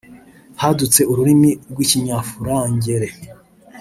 hadutse ururimi rw’ Ikinyafurangere